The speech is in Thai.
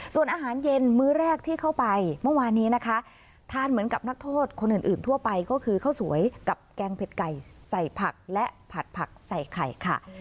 ส่วนอาหารเย็นมื้อแรกที่เข้าไปเมื่อวานนี้นะคะทานเหมือนกับนักโทษคนอื่นทั่วไปก็คือข้าวสวยกับแกงเผ็ดไก่ใส่ผักและผัดผักใส่ไข่ค่ะ